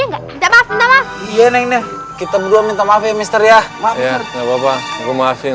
enggak enggak maaf maaf kita minta maaf ya mister ya enggak papa maafin ini saya punya sedikit uang